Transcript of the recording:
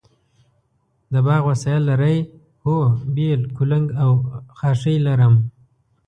د باغ وسایل لرئ؟ هو، بیل، کلنګ او خاښۍ لرم